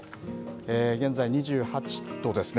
現在２８度ですね。